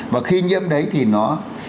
và khi nhiễm đấy thì nó